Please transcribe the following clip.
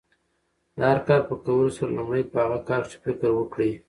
د هر کار په کولو سره، لومړی په هغه کار کښي فکر وکړئ!